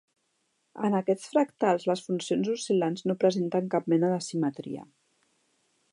En aquests fractals les funcions oscil·lants no presenten cap mena de simetria.